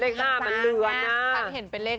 ไม่เห็นเป็นเลข๐